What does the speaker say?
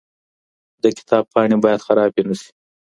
د کتاب پاڼې باید خرابې نه سي.